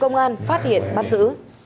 công an phát hiện bắt giữ